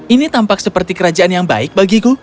ini tampak seperti kerajaan yang baik bagiku